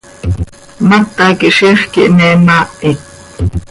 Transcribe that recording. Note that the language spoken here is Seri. Mata quij ziix quih me maahit.